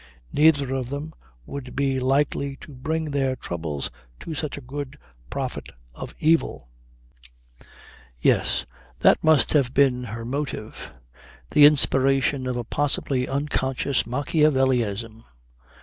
Neither of them would be likely to bring their troubles to such a good prophet of evil. Yes. That must have been her motive. The inspiration of a possibly unconscious Machiavellism!